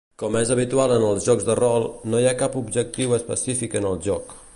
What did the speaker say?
Com és habitual en els jocs de rol, no hi ha cap objectiu específic en el joc.